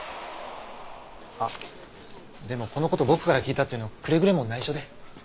あっでもこの事僕から聞いたっていうのくれぐれも内緒で。